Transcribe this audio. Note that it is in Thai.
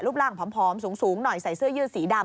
ร่างผอมสูงหน่อยใส่เสื้อยืดสีดำ